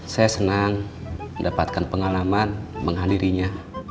saya senang mendapatkan pengalaman menghadirinya